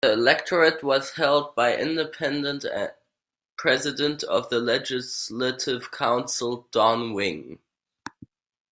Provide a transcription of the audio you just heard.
The electorate was held by Independent and President of the Legislative Council Don Wing.